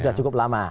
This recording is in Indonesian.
sudah cukup lama